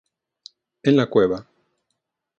En La Cueva.